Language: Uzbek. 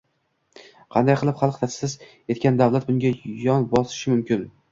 qanday qilib xalq ta’sis etgan davlat bunga yon bosishi mumkin?